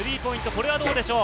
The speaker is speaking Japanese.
これはどうでしょう？